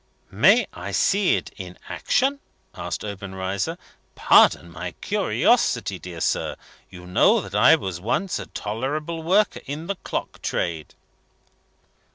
"May I see it in action?" asked Obenreizer. "Pardon my curiosity, dear sir! You know that I was once a tolerable worker in the clock trade."